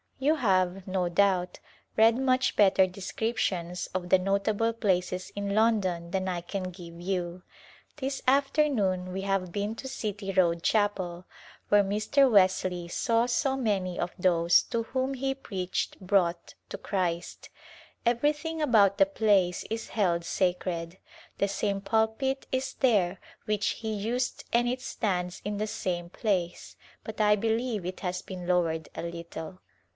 You have, no doubt, read much better descriptions of the notable places in London than I can give you. This afternoon we have been to City Road Chapel where Mr. Wesley saw so many of those to whom he preached brought to Christ. Every thing about the place is held sacred. The same pulpit is there which he used and it stands in the same place, but I believe it has been lowered a little.